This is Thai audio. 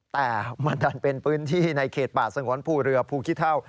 แต่มันดันเป็นพื้นที่ในเขตป่าสงวนภูเรือภูขี้เท่า